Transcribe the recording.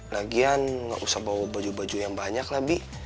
lagian nggak usah bawa baju baju yang banyak lah bi